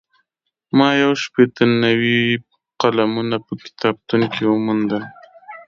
ما یو شپېته نوي قلمونه په کتابتون کې وموندل.